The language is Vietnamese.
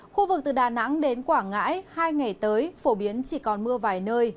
khu vực từ đà nẵng đến quảng ngãi hai ngày tới phổ biến chỉ còn mưa vài nơi